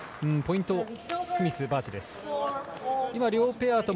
ポイント